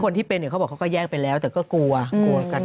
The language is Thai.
คนที่เป็นเขาบอกว่าเขาก็แยกไปแล้วแต่ก็กลัวกัน